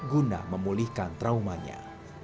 guna memulihkan traumanya